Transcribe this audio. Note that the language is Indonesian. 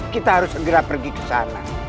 kita harus segera pergi ke sana